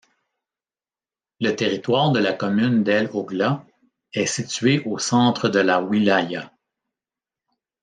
Le territoire de la commune d'El Ogla est situé au centre de la wilaya.